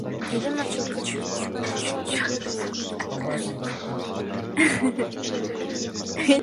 Елена Жылкычыева менен Гүлнара Жоробаева отурумга катышкан эмес.